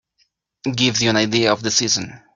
Gives you an idea of the season.